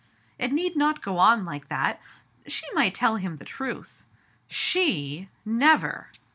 " It need not go on like that ; she might tell him the truth." "She? Never!"